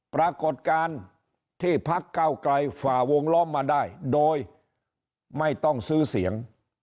ปรากฏการณ์ที่พักเก้าไกลฝ่าวงล้อมมาได้โดยไม่ต้องซื้อเสียง